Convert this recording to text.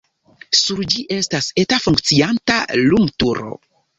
Sur ĝi estas eta funkcianta lumturo.